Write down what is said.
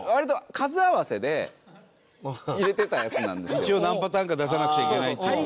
で割と一応何パターンか出さなくちゃいけないっていうので。